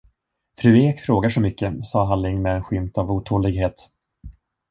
Fru Ek frågar så mycket, sade Halling med en skymt av otålighet.